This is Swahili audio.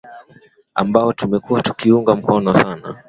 ambao tumekuwa tukiunga mkono sana